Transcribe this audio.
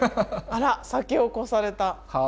あら先を越された。